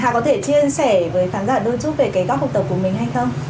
hà có thể chia sẻ với khán giả đơn chút về các học tập của mình hay không